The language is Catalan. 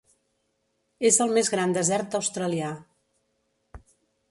És el més gran desert australià.